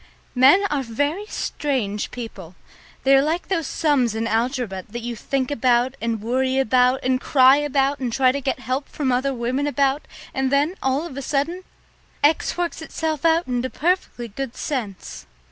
Men are very strange people. They are like those sums in algebra that you think about and worry about and cry about and try to get help from other women about, and then, all of a sudden, X works itself out into perfectly good sense.